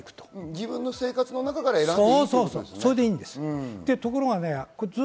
自分の生活の中から選んでいいということですね。